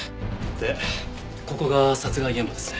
でここが殺害現場ですね。